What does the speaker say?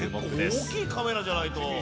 結構大きいカメラじゃないと。